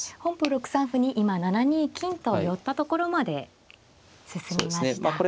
本譜６三歩に今７二金と寄ったところまで進みました。